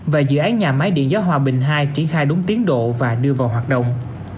và dự án nhà máy điện gió hòa bình hai triển khai đúng tiến độ và đưa vào hoạt động